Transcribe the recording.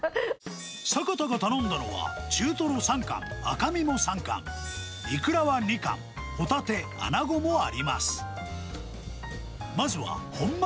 坂田が頼んだのは、中トロ３貫、赤身も３巻、イクラは２貫、ホタテ、アナゴもあります。